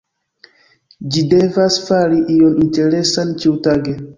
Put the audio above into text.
Ĝi devas fari ion interesan ĉiutage.